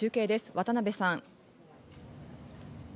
渡邊さん。